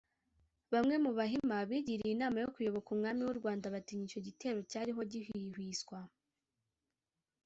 bamwe mu bahima bigiriye inama yo kuyoboka umwami w’u Rwanda batinya icyo gitero cyariho gihwihwiswa